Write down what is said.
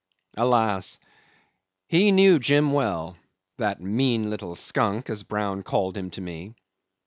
Alas! he knew Jim well that "mean little skunk," as Brown called him to me.